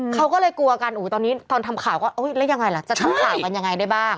เขาก็เลยกลัวกันตอนนี้ตอนทำข่าวก็แล้วยังไงล่ะจะทำข่าวกันยังไงได้บ้าง